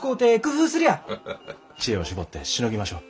知恵を絞ってしのぎましょう。